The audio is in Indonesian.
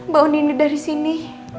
bawa nini dari sini